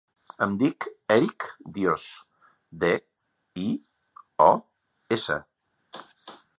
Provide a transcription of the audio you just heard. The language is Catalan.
Em dic Èric Dios: de, i, o, essa.